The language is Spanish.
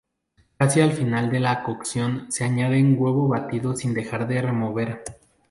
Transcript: Casi al final de la cocción se añaden huevo batido sin dejar de remover.